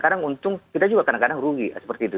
dan kita juga kadang kadang rugi seperti itu